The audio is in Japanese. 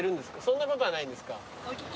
そんなことはないんですか？